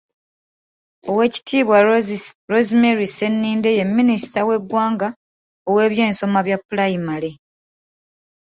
Oweekitiibwa Rosemary Sseninde ye Minisita w'eggwanga ow'ebyensoma bya pulayimale.